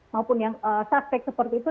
maupun yang suspek seperti itu